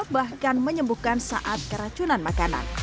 bahkan menyembuhkan saat keracunan makanan